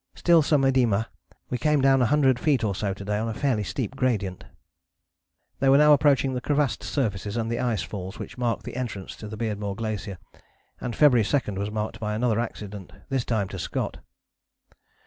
Still some oedema. We came down a hundred feet or so to day on a fairly steep gradient." They were now approaching the crevassed surfaces and the ice falls which mark the entrance to the Beardmore Glacier, and February 2 was marked by another accident, this time to Scott.